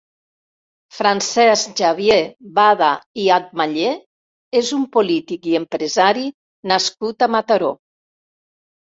Francesc Xavier Bada i Amatller és un polític i empresari nascut a Mataró.